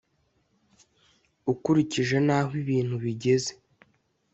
ukurikije n’aho ibintu bigeze